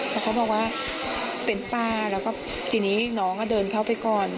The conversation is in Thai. แล้วเขาบอกว่าเป็นป้าแล้วก็ทีนี้น้องก็เดินเข้าไปก่อน